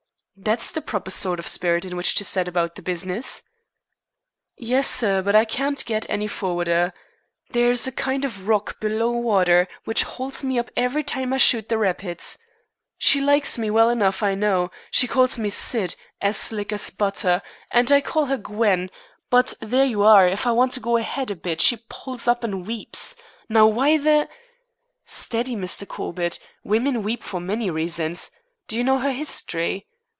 "That's the proper sort of spirit in which to set about the business." "Yes, sir; but I can't get any forrarder. There's a kind of rock below water which holds me up every time I shoot the rapids. She likes me well enough, I know. She calls me 'Syd' as slick as butter, and I call her 'Gwen'; but there you are if I want to go ahead a bit she pulls up and weeps. Now, why the " "Steady, Mr. Corbett. Women weep for many reasons. Do you know her history?"